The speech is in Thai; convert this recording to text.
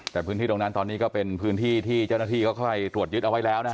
แต่พื้นที่ตรงนั้นตอนนี้ก็เป็นพื้นที่ที่เจ้าหน้าที่เขาเข้าไปตรวจยึดเอาไว้แล้วนะฮะ